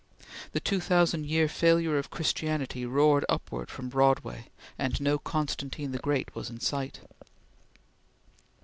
The two thousand years failure of Christianity roared upward from Broadway, and no Constantine the Great was in sight.